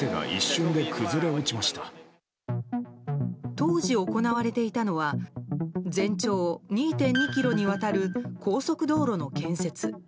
当時行われていたのは全長２．２ｋｍにわたる高速道路の建設。